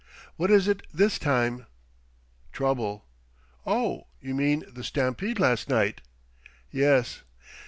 "What is it this time?" "Trouble." "Oh, you mean the stampede last night?" "Yes."